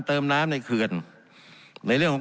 การปรับปรุงทางพื้นฐานสนามบิน